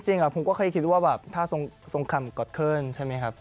จริงผมก็เคยคิดว่าแบบถ้าสงครรภ์กดเคลิ้นใช่ไหมครับ